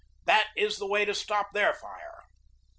That is the way to stop their fire!"